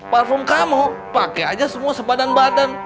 parfum kamu pakai aja semua sepadan badan